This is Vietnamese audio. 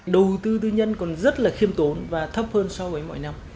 đầu tư tư nhân còn rất là khiêm tốn và thấp hơn so với mọi năm